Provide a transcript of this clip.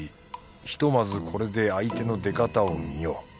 ひとまずこれで相手の出方を見よう